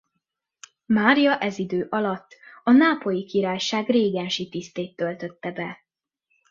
Mária ez idő alatt a Nápolyi Királyság régensi tisztét töltötte be.